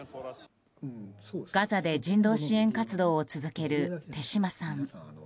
ガザで人道支援活動を続ける手島さん。